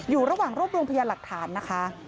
อยู่ระหว่างรวบรวมพยานหลักฐานนะคะ